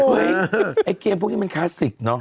เฮ้ยไอ้เกมพวกนี้มันคลาสสิกเนอะ